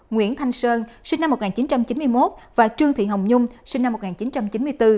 nguyễn thanh sơn sinh năm một nghìn chín trăm chín mươi một và trương thị hồng nhung sinh năm một nghìn chín trăm chín mươi bốn